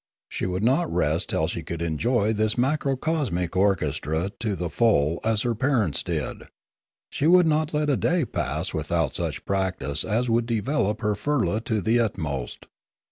She would not rest till she could enjoy this macrocosmic orchestra to the full as her parents did; she would not let a day pass without such practice as would develop her firla to the utmost.